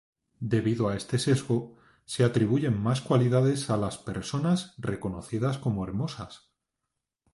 Debido a este sesgo, se atribuyen más cualidades a las personas reconocidas como hermosas.